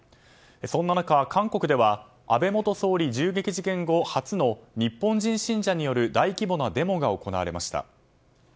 そんな中、韓国では安倍元総理銃撃事件後初の日本人信者による大規模なデモが行われました。